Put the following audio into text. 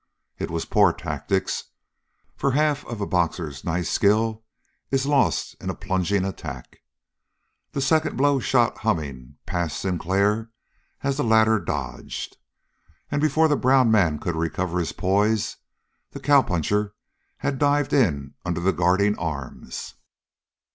It was poor tactics, for half of a boxer's nice skill is lost in a plunging attack. The second blow shot humming past Sinclair as the latter dodged; and, before the brown man could recover his poise, the cowpuncher had dived in under the guarding arms.